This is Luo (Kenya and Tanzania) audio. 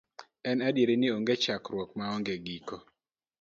En adier ni onge chakruok ma onge giko.